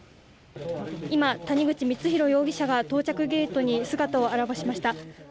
今、谷口光弘容疑者が到着ゲートに姿を現しました。